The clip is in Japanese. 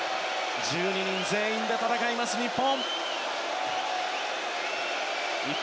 １２人全員で戦います、日本。